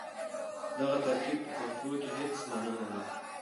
دغه ترکيب په پښتو کې هېڅ مانا نه لري.